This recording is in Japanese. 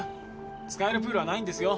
使えるプールはないんですよ。